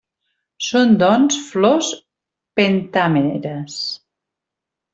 Són doncs flors pentàmeres.